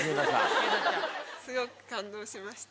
スゴく感動しました